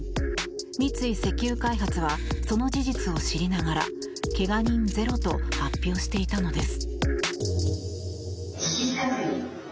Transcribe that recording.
三井石油開発はその事実を知りながら怪我人ゼロと発表していたのです。